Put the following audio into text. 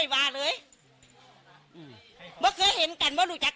วาเลยล้อเห็นกันบ้า